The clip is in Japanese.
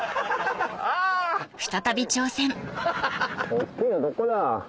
大っきいのどこだ？